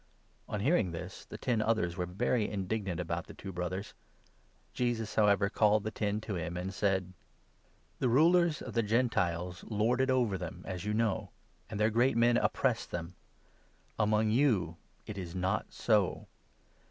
On hearing of this, the ten others were very indignant about 24 the two brothers. Jesus, however, called the ten to him, and 25 said : The Dignity " The rulers of the Gentiles lord it over them of service, as you know, and their great men oppress them. Among you it is not so.